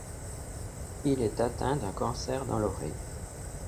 Il est atteint d'un cancer dans l'oreille.